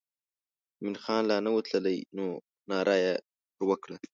مومن خان لا نه و تللی نو ناره یې پر وکړه.